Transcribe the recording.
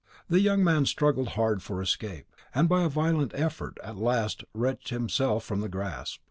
The young man struggled hard for escape, and, by a violent effort, at last wrenched himself from the grasp.